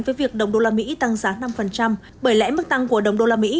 với việc đồng đô la mỹ tăng giá năm bởi lẽ mức tăng của đồng đô la mỹ